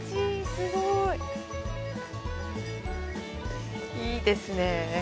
すごい。いいですね。